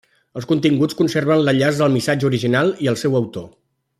Els continguts conserven l'enllaç al missatge original i al seu autor.